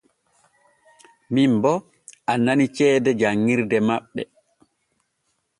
Min bo annani ceede jan ŋirde maɓɓe.